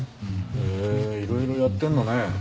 へえいろいろやってるのね。